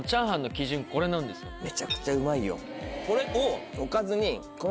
めちゃくちゃうまいよ。